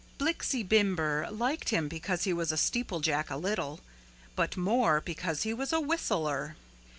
Blixie Bimber liked him because he was a steeplejack, a little, but more because he was a whistler.